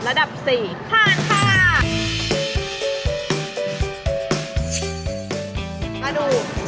ระดับ๔ผ่านค่ะ